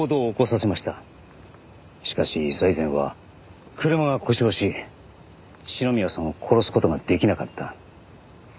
しかし財前は車が故障し篠宮さんを殺す事ができなかった。